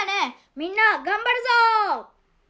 みんな頑張るぞ！